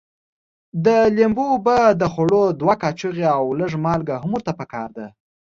د لیمو اوبه د خوړو دوه کاشوغې او لږ مالګه هم ورته پکار ده.